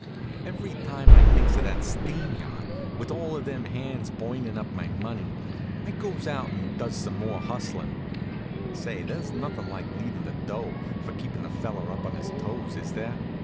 Every time I thinks of that steam yacht, with all them hands burnin' up my money, I goes out and does some more hustlin'. Say, there's nothin' like needin' the dough, for keepin' a feller up on his toes, is there?